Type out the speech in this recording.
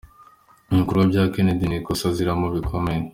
"Ibikorwa bya Kenedy ni ikosa aziramo bikomeye.